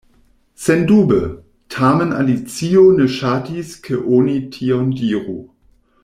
Sendube! Tamen Alicio ne ŝatis ke oni tion diru.